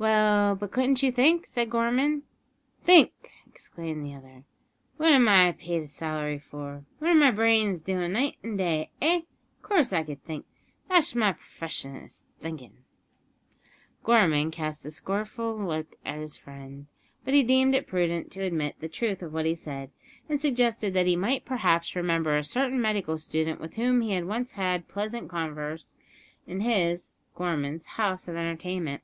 "Well, but couldn't you think?" said Gorman. "Think!" exclaimed the other, "what am I paid a salary for? What are my brains doin' night an day eh? Of course I can think; thash's my pr'feshion, is thinking." Gorman cast a scornful look at his friend, but he deemed it prudent to admit the truth of what he said, and suggested that he might perhaps remember a certain medical student with whom he had once held pleasant converse in his (Gorman's) house of entertainment.